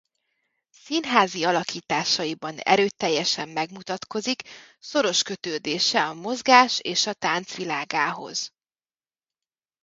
Színházi alakításaiban erőteljesen megmutatkozik szoros kötődése a mozgás és a tánc világához.